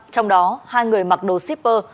trong đó hai người mặc đồ shipper